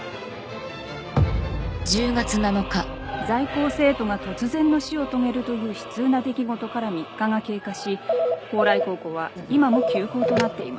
在校生徒が突然の死を遂げるという悲痛な出来事から３日が経過し鳳来高校は今も休校となって。